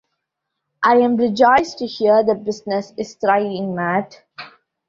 I am rejoiced to hear the business is thriving, Mat.